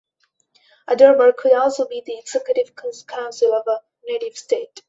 A durbar could also be the executive council of a native state.